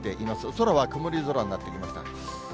空は曇り空になってきました。